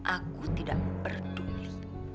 aku tidak peduli